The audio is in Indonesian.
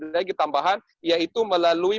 dan lagi tambahan yaitu melalui